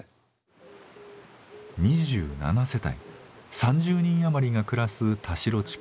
２７世帯３０人余りが暮らす田代地区。